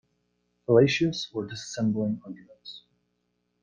Fallacious or dissembling arguments.